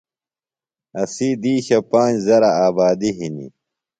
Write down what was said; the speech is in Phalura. اسی دِیشی پانج ذرہ آبادیۡ ہنیۡ۔